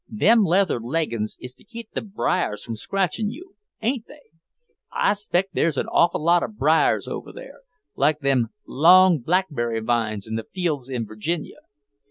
"Them leather leggins is to keep the briars from scratchin' you, ain't they? I 'spect there's an awful lot of briars over there, like them long blackberry vines in the fields in Virginia.